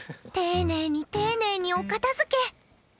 丁寧に丁寧にお片づけ。